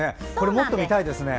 もっと見たいですね。